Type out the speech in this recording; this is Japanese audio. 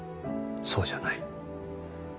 そうじゃない。